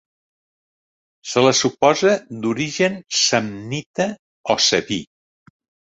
Se la suposa d'origen samnita o sabí.